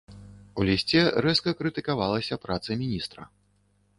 У лісце рэзка крытыкавалася праца міністра.